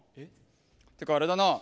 てか、あれだな。